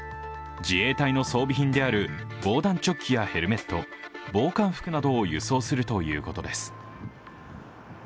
自衛隊の装備品である防弾チョッキやヘルメット、防寒服などを輸送するということです。